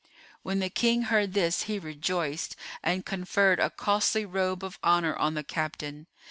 When the King heard this, he rejoiced and conferred a costly robe of honour on the captain.